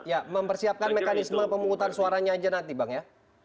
ya mempersiapkan mekanisme pemungutan suaranya aja nanti bang ya